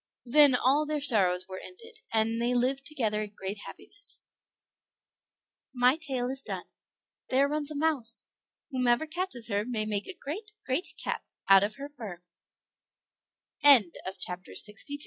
Then all their sorrows were ended, and they lived together in great happiness. My tale is done. There runs a mouse; whoever catches her may make a great, great cap out